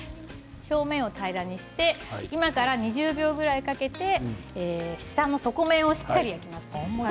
表面を平らにして今から２０秒ぐらいかけて底面をしっかり焼きます。